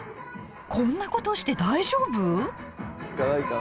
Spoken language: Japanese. こんなことして大丈夫？